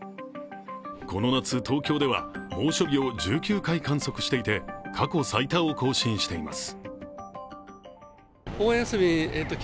この夏、東京では猛暑日を１９回観測していて過去最多を更新しています。